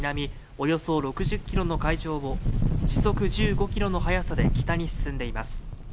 およそ６０キロの海上を時速１５キロの速さで北に進んでいます